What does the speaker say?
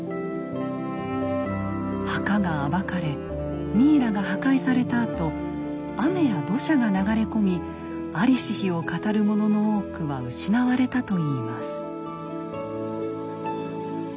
墓が暴かれミイラが破壊されたあと雨や土砂が流れ込み在りし日を語るものの多くは失われたといいます。